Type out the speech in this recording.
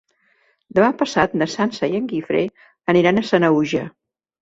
Demà passat na Sança i en Guifré aniran a Sanaüja.